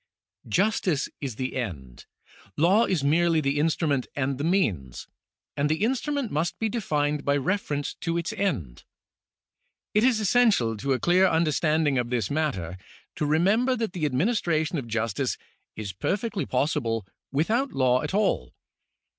Justice is the end, law is merely the instrument and the means ; and the instrument must be defined by reference to its end. It is essential to a clear understanding of this matter to remember that the administration of justice is perfectly pos sible without law at all.